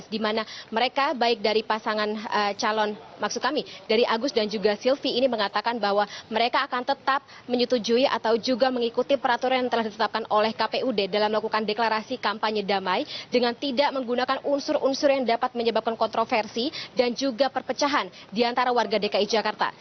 di mana mereka baik dari pasangan calon maksud kami dari agus dan juga silvi ini mengatakan bahwa mereka akan tetap menyetujui atau juga mengikuti peraturan yang telah ditetapkan oleh kpud dalam melakukan deklarasi kampanye damai dengan tidak menggunakan unsur unsur yang dapat menyebabkan kontroversi dan juga perpecahan di antara warga dki jakarta